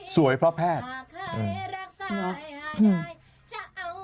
สวยเพราะแพทย์